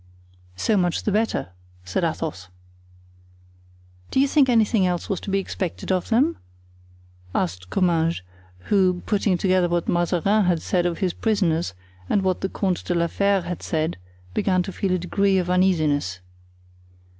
"So much the better," said Athos. "Do you think anything else was to be expected of them?" asked Comminges, who, putting together what Mazarin had said of his prisoners and what the Comte de la Fere had said, began to feel a degree of uneasiness.